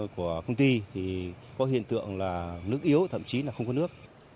của công ty thì có hiện tượng là nước yếu thậm chí là không có nước